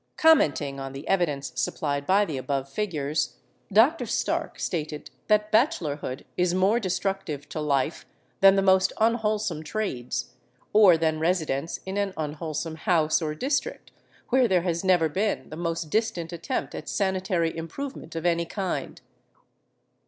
Commenting on the evidence supplied by the above figures, Dr. Stark stated that 'bachelorhood is more destructive to life than the most unwholesome trades, or than residence in an unwholesome house or district, where there has never been the most distant attempt at sanitary improvement of any kind.